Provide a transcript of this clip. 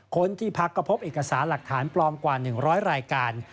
คนที่พักก็พบเอกสารหลักฐานปลอมกว่า๑๐๐รายการ